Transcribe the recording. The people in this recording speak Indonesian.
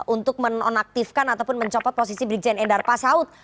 untuk menonaktifkan ataupun mencopot posisi brigjen endar pasaud